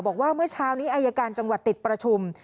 บอกว่าเมื่อเช้านี้อายการจังหวัดติดประชุม